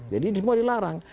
jadi semua dilarang